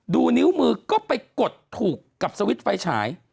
ดูนิ้วมือก็ไปกดถูกกับสวิตช์ไฟฉาย